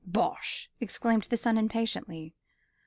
"Bosh!" exclaimed the son impatiently.